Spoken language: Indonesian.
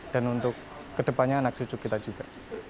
dan untuk kedepannya anak cucu kita juga